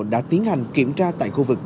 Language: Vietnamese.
đã tiến hành kiểm tra tại khu vực